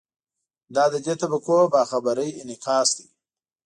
دا د دې طبقو باخبرۍ انعکاس دی.